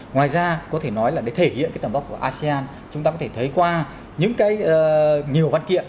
ngoài ra có thể nói là để thể hiện cái tầm vóc của asean chúng ta có thể thấy qua những cái nhiều văn kiện